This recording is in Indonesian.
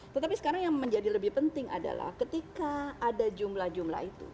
tetapi sekarang yang menjadi lebih penting adalah ketika ada jumlah jumlah itu